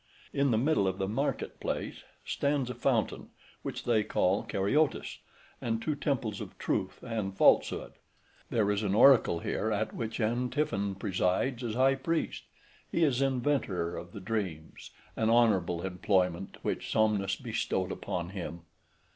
In the middle of the market place stands a fountain, which they call Careotis, {138c} and two temples of Truth and Falsehood; there is an oracle here, at which Antiphon presides as high priest; he is inventor of the dreams, an honourable employment, which Somnus bestowed upon him.